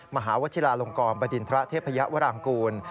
มหาวัฒธิารงคอมบรรดินทระเทพพยาวรางกูล